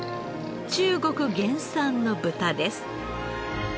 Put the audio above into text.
中国原産の豚です。